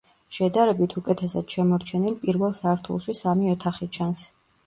შედარებით უკეთესად შემორჩენილ პირველ სართულში სამი ოთახი ჩანს.